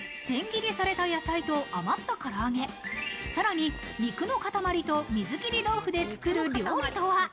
千切りされた野菜と余ったから揚げ、さらに肉のかたまりと水切り豆腐で作る料理とは？